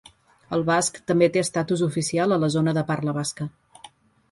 El basc també té estatus oficial a la zona de parla basca.